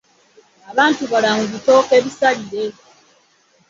Abantu balamu bitooke bisale .